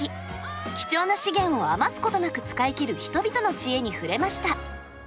貴重な資源を余すことなく使い切る人々の知恵に触れました。